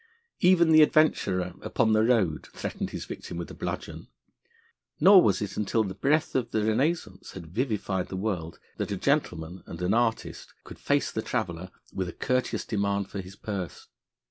Even the adventurer upon the road threatened his victim with a bludgeon, nor was it until the breath of the Renaissance had vivified the world that a gentleman and an artist could face the traveller with a courteous demand for his purse.